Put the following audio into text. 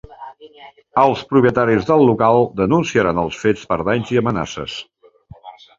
Els propietaris del local denunciaran els fets per danys i amenaces.